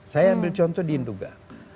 saya ambil contoh di induga